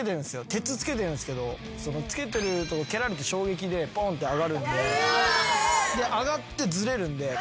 鉄つけてんすけどつけてるとこ蹴られた衝撃でボーンって上がるんで上がってずれるんで挟まるんすよ。